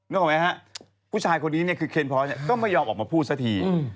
นึกออกไหมฮะผู้ชายคนนี้เนี่ยคือเคนพร้อมเนี่ยก็ไม่ยอมออกมาพูดซะที